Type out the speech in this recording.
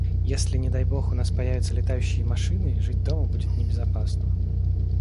Если, не дай бог, у нас появятся летающие машины, жить дома будет небезопасно.